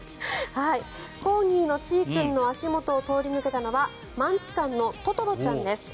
コーギーのちい君の足元を通り抜けたのはマンチカンのととろちゃんです。